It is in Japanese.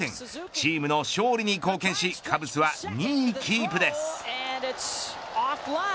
チームの勝利に貢献しカブスは２位キープです。